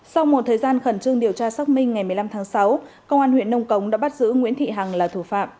sau một thời gian khẩn trương điều tra xác minh ngày một mươi năm tháng sáu công an huyện nông cống đã bắt giữ nguyễn thị hằng là thủ phạm